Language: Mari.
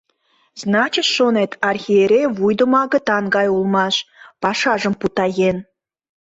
Значит, шонет, архиерей вуйдымо агытан гай улмаш, пашажым путаен.